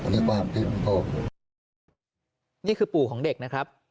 นี่คือปู่ของเด็กนะครับ